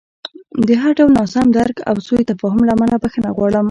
د هر ډول ناسم درک او سوء تفاهم له امله بښنه غواړم.